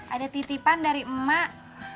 ada titipan dari emak